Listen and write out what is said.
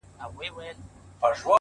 دا له کومو مراحِلو نه تیرېږم